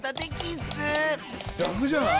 らくじゃない？